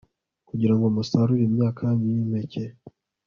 kugira ngo musarure imyaka yanyu yimpeke